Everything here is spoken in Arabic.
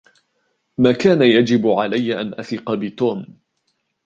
ما كان يجب علي أن أثق بتوم